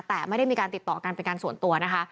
แต่ไม่ได้มีการติดต่อกันเป็นการส่วนตัวนะคะ